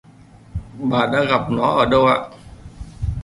bà đã gặp nó ở đâu ạ